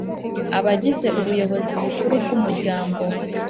Abagize Ubuyobozi Bukuru bwumuryango